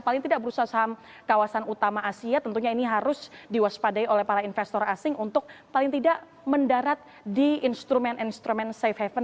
paling tidak bursa saham kawasan utama asia tentunya ini harus diwaspadai oleh para investor asing untuk paling tidak mendarat di instrumen instrumen safe haven